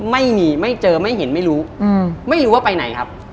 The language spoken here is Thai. ไม่มีไม่เจอไม่เห็นไม่รู้ไม่รู้ว่าไปไหนครับ